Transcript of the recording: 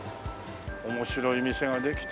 面白い店ができてるよ。